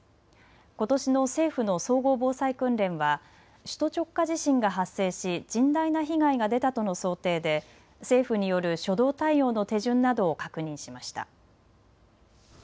ことしの政府の総合防災訓練は首都直下地震が発生し甚大な被害が出たとの想定で政府による初動対応の手順などを確認しました。